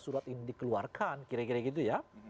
surat ini dikeluarkan kira kira gitu ya